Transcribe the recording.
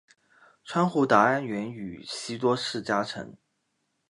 户川达安原宇喜多氏家臣。